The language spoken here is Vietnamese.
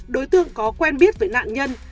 đối tượng có quen biết với nạn nhân